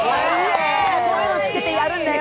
こういうのつけてやるんだよ！